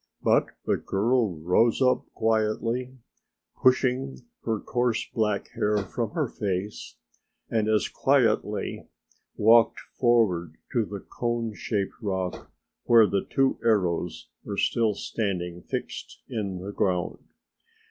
But the girl rose up quietly, pushing her coarse black hair from her face, and as quietly walked forward to the cone shaped rock where the two arrows were still standing fixed in the ground.